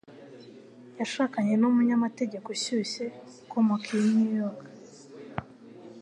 Yashakanye numunyamategeko ushyushye ukomoka i New York